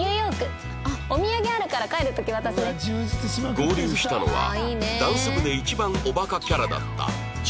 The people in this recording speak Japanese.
合流したのはダンス部で一番おバカキャラだった千尋